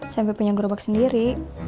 sampai punya berobak sendiri